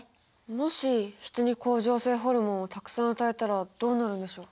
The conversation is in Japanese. もしヒトに甲状腺ホルモンをたくさん与えたらどうなるんでしょう？